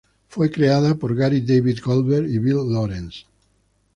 Fue creada por Gary David Goldberg y Bill Lawrence.